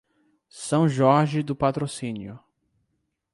São Jorge do Patrocínio